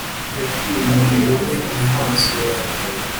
yakuye umuriro we mu maso yawe